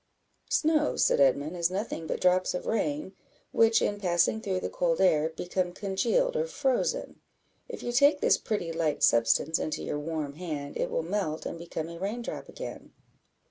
"Snow," said Edmund, "is nothing but drops of rain, which, in passing through the cold air, become congealed or frozen. If you take this pretty light substance into your warm hand, it will melt and become a rain drop again."